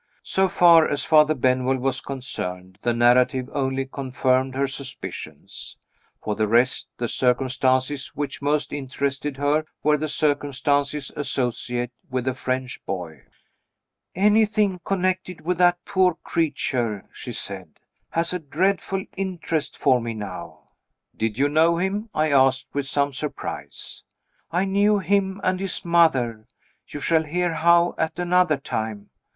So far as Father Benwell was concerned, the narrative only confirmed her suspicions. For the rest, the circumstances which most interested her were the circumstances associated with the French boy. "Anything connected with that poor creature," she said, "has a dreadful interest for me now." "Did you know him?" I asked, with some surprise. "I knew him and his mother you shall hear how, at another time.